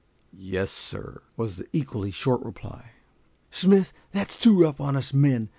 "Yes, sir," was the equally short reply. "Smith, that's too rough on us men.